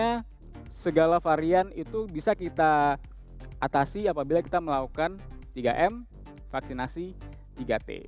karena segala varian itu bisa kita atasi apabila kita melakukan tiga m vaksinasi tiga t